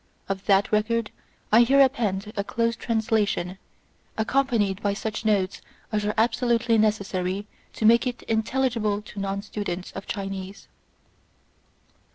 Of that record I here append a close translation, accompanied by such notes as are absolutely necessary to make it intelligible to non students of Chinese.